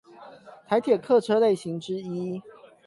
台鐵客車類型之一